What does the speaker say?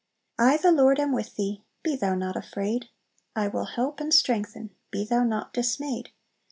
"I the Lord am with thee, Be thou not afraid! I will help and strengthen, Be thou not dismayed!